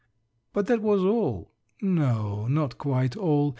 But that was all no, not quite all.